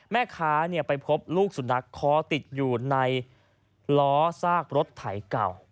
แม่ค้าไปพบลูกสุนัขคอติดอยู่ในล้อซากรถไถเก่า